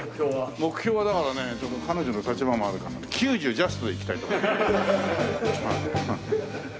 目標はだからね彼女の立場もあるから９０ジャストでいきたいと思います。